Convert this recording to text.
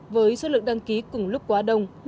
với số lượng đăng ký cùng lúc quá đông